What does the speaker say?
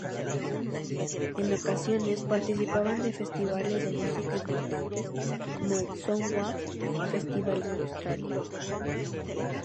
En ocasiones participaban de festivales de música importantes como el Soundwave Festival de Australia.